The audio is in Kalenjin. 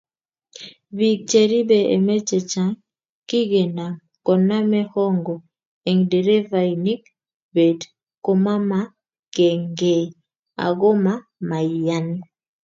biik cheribe emet chechang kigenam koname hongo eng nderefainik beet komamagengei agoma maiyani